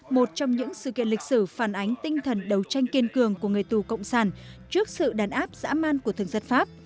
một trong những sự kiện lịch sử phản ánh tinh thần đấu tranh kiên cường của người tù cộng sản trước sự đàn áp dã man của thực dân pháp